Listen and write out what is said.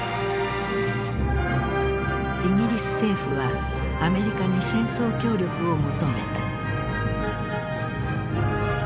イギリス政府はアメリカに戦争協力を求めた。